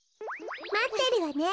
まってるわね。